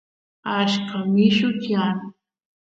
achka milluwa tiyan